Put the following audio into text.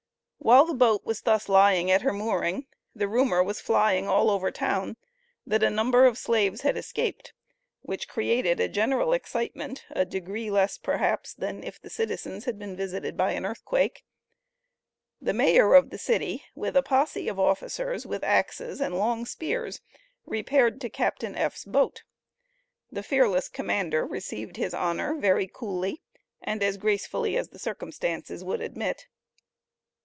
While the boat was thus lying at her mooring, the rumor was flying all over town that a number of slaves had escaped, which created a general excitement a degree less, perhaps, than if the citizens had been visited by an earthquake. The mayor of the city with a posse of officers with axes and long spears repaired to Captain F.'s boat. The fearless commander received his Honor very coolly, and as gracefully as the circumstances would admit.